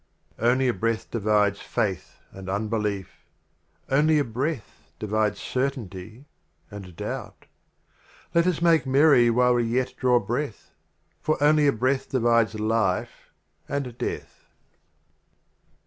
XLIX AND L. Only a Breath divides Faith and Unbelief. Only a Breath divides Certainty and Doubt. Let us make merry while we yet draw Breath, For only a Breath divides Life and Death.